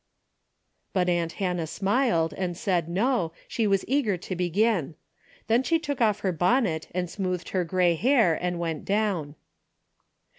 But aunt Hannah smiled and said no, she was eager to begin. Then she took off her bonnet and smoothed her grey hair and went down.